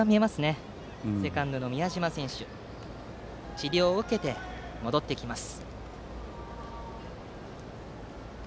先程負傷したセカンドの宮嶋選手治療を受けて戻ってきます。